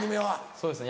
そうですね